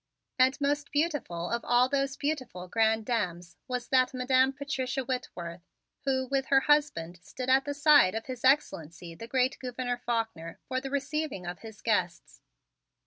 And most beautiful of all those beautiful grande dames was that Madam Patricia Whitworth, who, with her husband, stood at the side of His Excellency, the great Gouverneur Faulkner, for the receiving of his guests.